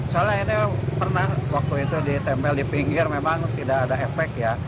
soalnya ini pernah waktu itu ditempel di pinggir memang tidak ada efek ya